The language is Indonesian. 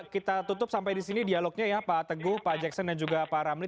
kita tutup sampai di sini dialognya ya pak teguh pak jackson dan juga pak ramli